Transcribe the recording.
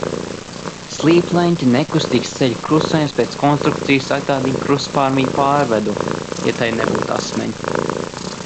Slīpleņķa nekustīgs ceļa krustojums pēc konstrukcijas atgādina krustpārmiju pārvedu, ja tai nebūtu asmeņu.